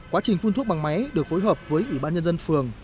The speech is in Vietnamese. quá trình phun thuốc bằng máy được phối hợp với ủy ban nhân dân phường